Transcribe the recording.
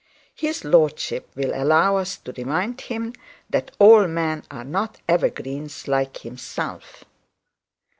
His lordship will allow us to remind him that all men are not evergreens like himself.